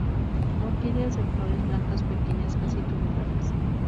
Orquídeas de flores blancas pequeñas casi tubulares.